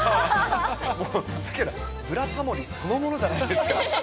もうさっきからブラタモリそのものじゃないですか。